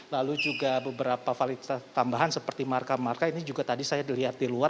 lalu juga beberapa validitas tambahan seperti marka marka ini juga tadi saya dilihat di luar